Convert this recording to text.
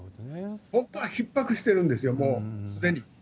本当はひっ迫してるんですよ、もうすでに。